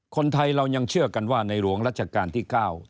คนไทยเรายังเชื่อกันว่าในหลวงรัชกาลที่๙